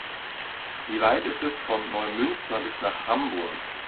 Wie weit ist es von Neumünster bis nach Hamburg?